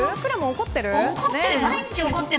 怒ってる、毎日怒ってる。